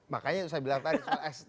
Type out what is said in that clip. makanya itu saya bilang tadi kalau esensi